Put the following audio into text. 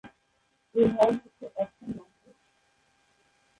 এর ধরন হচ্ছে অ্যাকশন নাট্য।